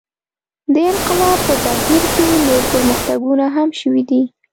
دې انقلاب په بهیر کې نور پرمختګونه هم شوي دي.